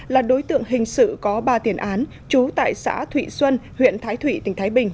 là đối tượng hình sự có ba tiền án trú tại xã thụy xuân huyện thái thụy tỉnh thái bình